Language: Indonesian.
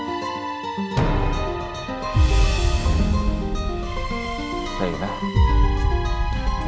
aku juga kehilangan anak dan istri aku